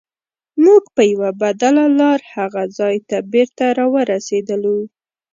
موږ په یوه بدله لار هغه ځای ته بېرته راورسیدلو.